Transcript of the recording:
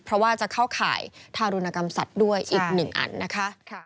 เพราะว่าจะเข้าข่ายทารุณกรรมสัตว์ด้วยอีกหนึ่งอันนะคะ